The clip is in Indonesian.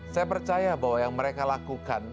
saya percaya bahwa yang mereka lakukan